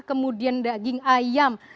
kemudian daging ayam